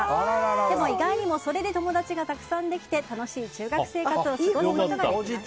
でも意外にもそれで友達がたくさんできて楽しい中学生活を過ごすことができました。